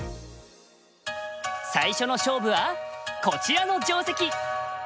最初の勝負はこちらの定石。